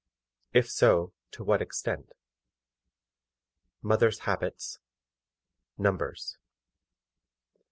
IF SO, TO WHAT EXTENT? Mothers' habits. Numbers.